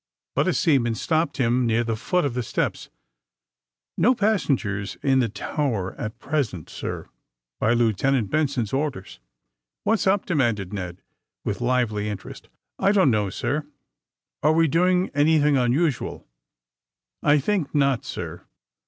But a seaman stopped him near the foot of the steps. ^^No passengers permitted in the tower at present, sir, by Lieutenant Benson's orders.'' ^^ What's npT' demanded Ned, with lively in terest. ^^I don't know, sir.'' Are we doing anything unusual?'^ '^I think not, sir."